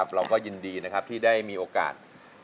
เราก็ยินดีนะครับที่ได้มีโอกาส